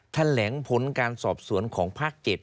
แถลงผลการสอบสวนของภาค๗